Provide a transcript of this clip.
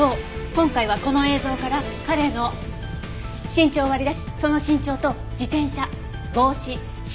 今回はこの映像から彼の身長を割り出しその身長と自転車帽子白いシャツジーンズ